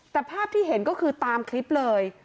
แต่ภาพที่เห็นก็คือตามคลิปเลย